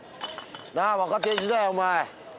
なあ若手時代お前。